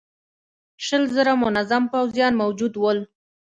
شل زره منظم پوځيان موجود ول.